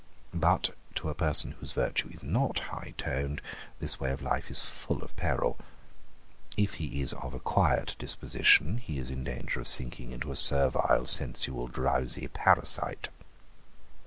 But to a person whose virtue is not high toned this way of life is full of peril. If he is of a quiet disposition, he is in danger of sinking into a servile, sensual, drowsy parasite.